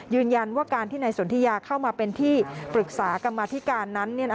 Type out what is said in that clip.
ยืนยันว่าการที่นายสนทิยาเข้ามาเป็นที่ปรึกษากรรมาธิการนั้น